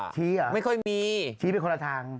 ชี้หรอไม่เคยมีชี้เป็นคนละทาง